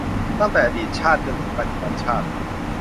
ตั้งแต่อดีตชาติจนถึงปัจจุบันชาติ